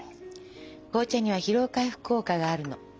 紅茶には疲労回復効果があるの。